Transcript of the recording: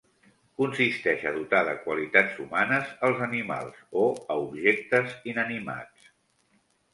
Consisteix a dotar de qualitats humanes als animals o a objectes inanimats.